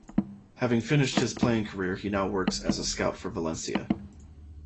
Having finished his playing career, he now works as a scout for Valencia.